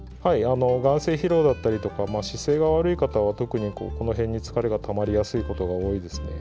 眼精疲労だったり姿勢が悪い方は特に、この辺に疲れがたまりやすいことが多いですね。